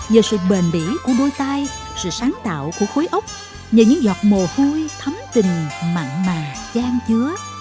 nhờ sự bền bỉ của đôi tay sự sáng tạo của khối ốc nhờ những giọt mồ hôi thấm tình mặn mà chan chứa